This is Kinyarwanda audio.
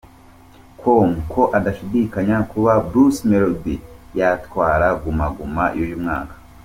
com ko adashidikanya kuba Bruce Melody yatwara Guma Guma y’uyu mwaka.